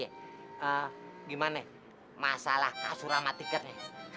eee gimana masalah kasurama tiketnya